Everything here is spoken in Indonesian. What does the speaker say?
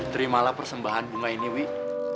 terimalah persembahan bunga ini wi